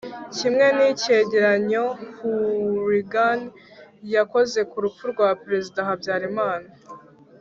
kimwe n'icyegeranyo hourigan yakoze ku rupfu rwa perezida habyarimana